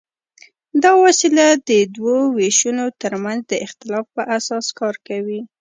دا وسیله د دوو وېشونو تر منځ د اختلاف په اساس کار کوي.